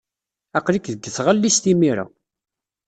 Aql-ik deg tɣellist imir-a.